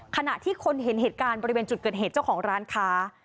ขณะที่คนเห็นเหตุการณ์บริเวณจุดเกิดเหตุเจ้าของร้านค้า